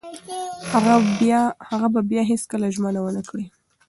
هغه به بیا هیڅکله ژمنه ونه کړي.